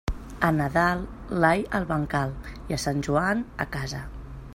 A Nadal, l'all, al bancal, i a Sant Joan, a casa.